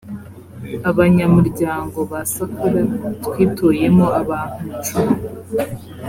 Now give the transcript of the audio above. abanyamuryango ba sacola twitoyemo abantu cumi